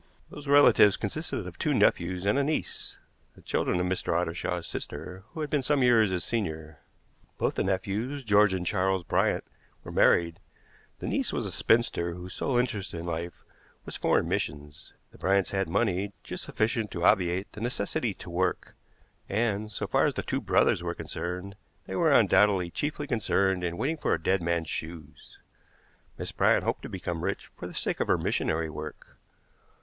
These relatives consisted of two nephews and a niece, the children of Mr. Ottershaw's sister, who had been some years his senior. Both the nephews George and Charles Bryant were married; the niece was a spinster whose sole interest in life was foreign missions. The Bryants had money, just sufficient to obviate the necessity to work, and, so far as the two brothers were concerned, they were undoubtedly chiefly concerned in waiting for a dead man's shoes. Miss Bryant hoped to become rich for the sake of her missionary work.